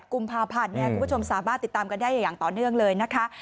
กุมภาพันธ์คุณผู้ชมสามารถติดตามกันได้อย่างต่อเนื่องเลยนะคะ